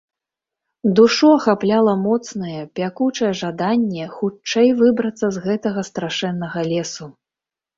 Душу ахапляла моцнае, пякучае жаданне хутчэй выбрацца з гэтага страшэннага лесу.